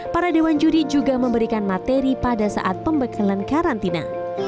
para dewan juri juga memberikan materi pada saat pembekalan karantina